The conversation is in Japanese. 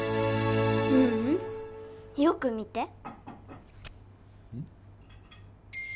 ううんよく見てうん？